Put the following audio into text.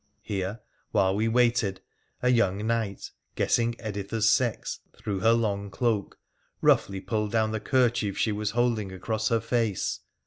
Here, while we waited, a young knight, guessing Editha's sex through her long cloak, roughly pulled down the kerchief she was holding across her face.